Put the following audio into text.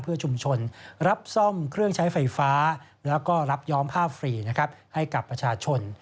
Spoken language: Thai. เพื่อชุมชนรับซ่อมเครื่องใช้ไฟฟ้าและรับย้อมภาพฟรีให้กับประชาชน